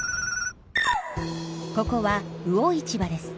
ここは魚市場です。